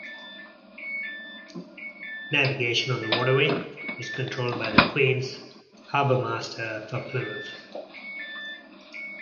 Navigation on the waterway is controlled by the Queen's Harbour Master for Plymouth.